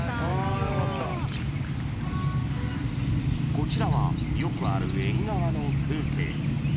［こちらはよくある縁側の風景］